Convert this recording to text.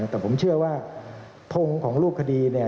แต่ผมเชื่อว่าทงของรูปคดีเนี่ย